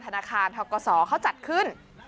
ธนาคารทกศเขาจัดขึ้น